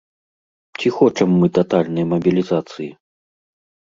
Ці хочам мы татальнай мабілізацыі?